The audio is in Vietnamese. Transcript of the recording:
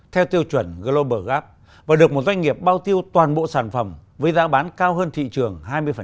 theo tiêu chuẩn global gap và được một doanh nghiệp bao tiêu toàn bộ sản phẩm với giá bán cao hơn thị trường hai mươi